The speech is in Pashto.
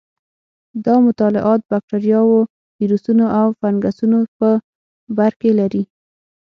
دا مطالعات بکټریاوو، ویروسونو او فنګسونو په برکې لري.